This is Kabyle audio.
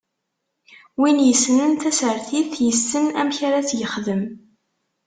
Win yessnen tasertit, yessen amek ara tt-yexdem.